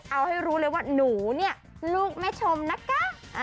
เอาให้รู้เลยว่าหนูเนี่ยลูกแม่ชมนะคะ